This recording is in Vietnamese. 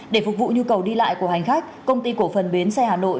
để phục vụ nhu cầu đi lại của hành khách công ty cổ phần bến xe hà nội